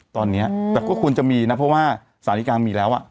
ตอนนี้แต่ก็ควรจะมีนะเพราะว่าสารดีกามีแล้ว